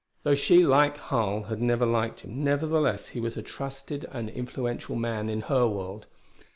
Though she, like Harl, had never liked him, nevertheless he was a trusted and influential man in her world.